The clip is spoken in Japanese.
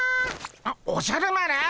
あっおじゃる丸！